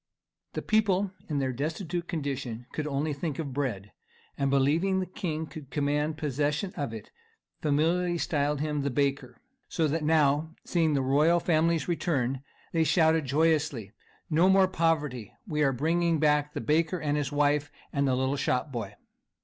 The people, in their destitute condition, could only think of bread, and believing the king could command possession of it, familiarly styled him "The Baker," so that now, seeing the royal family's return, they shouted joyously, "No more poverty; we are bringing back the baker and his wife, and the little shopboy."